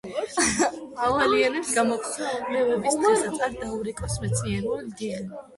ავალიანის გამოკვლევებს დღესაც არ დაუკარგავს მეცნიერული ღირებულება.